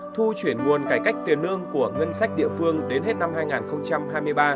thu chuyển nguồn cải cách tiền lương của ngân sách địa phương đến hết năm hai nghìn hai mươi ba